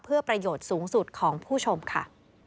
เพื่อประโยชน์สูงสุดของผู้ชมค่ะ